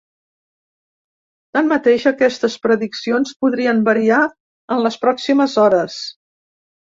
Tanmateix, aquestes prediccions podrien variar en les pròximes hores.